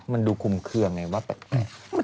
มันดูคุมเครื่องไงว่าแปลก